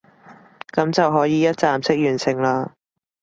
噉就可以一站式完成啦